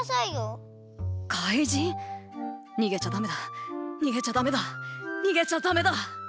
にげちゃダメだにげちゃダメだにげちゃダメだ。